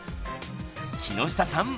木下さん